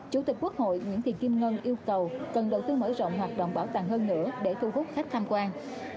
chủ tịch quốc hội nguyễn thị kim ngân yêu cầu cần đầu tư mở rộng hoạt động bảo tàng hơn nữa để thu hút khách tham quan